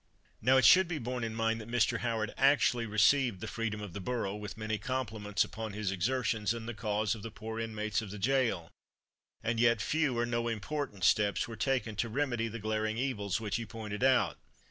Now, it should be borne in mind that Mr. Howard actually received the freedom of the borough, with many compliments upon his exertions in the cause of the poor inmates of the gaol, and yet few or no important steps were taken to remedy the glaring evils which he pointed out.